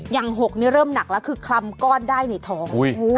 ๖นี้เริ่มหนักแล้วคือคลำก้อนได้ในท้อง